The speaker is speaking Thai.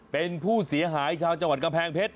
เป็นผู้เสียหายชาวจังหวัดกำแพงเพชร